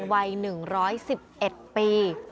วัยหนึ่งร้อยสิบเอ็ดปี